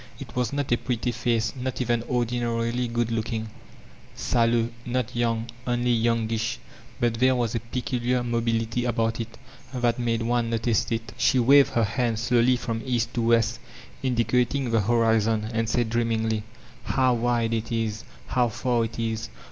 It was not a pretty face, not even ordinarily good looking, — sallow, not young, only youngish ; but there was a peadiar mobility about it, that made one notice it. She waved her hand slowly from East to West, indicating the horizon, and said dreamingly: ''How wide it is, how far it is!